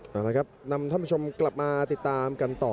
เอาละครับนำท่านผู้ชมกลับมาติดตามกันต่อ